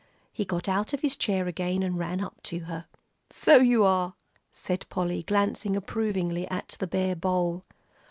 He got out of his chair again, and ran up to her. "So you are," said Polly, glancing approvingly at the bare bowl.